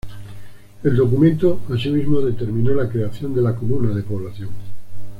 El documento asimismo determinó la creación de la comuna de Población.